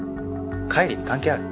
海里に関係ある？